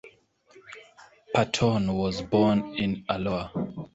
Paton was born in Alloa.